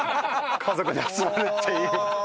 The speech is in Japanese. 家族で集まるっていう。